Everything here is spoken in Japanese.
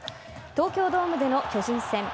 東京ドームでの巨人戦。